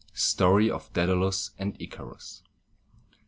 STORY OF DÆDALUS AND ICARUS.